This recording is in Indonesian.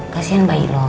kasian bayi lo